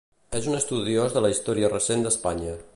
És un estudiós de la història recent d'Espanya.